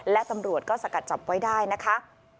และตำรวจก็สกัดจับไว้ได้นะคะ